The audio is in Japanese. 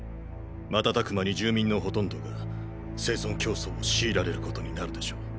瞬く間に住民のほとんどが生存競争を強いられることになるでしょう。